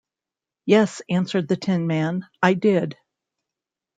"Yes," answered the tin man; "I did".